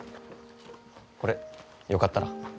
これよかったら。